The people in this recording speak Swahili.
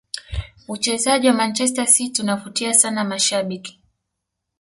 uchezaji wa manchester city unavutia sana mashabiki